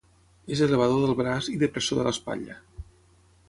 És elevador del braç i depressor de l'espatlla.